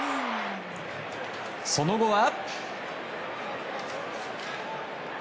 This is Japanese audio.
その後は。